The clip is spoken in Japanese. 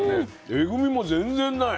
エグみも全然ない。